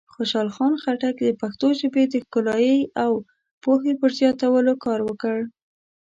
خوشحال خان خټک د پښتو ژبې د ښکلایۍ او پوهې پر زیاتولو کار وکړ.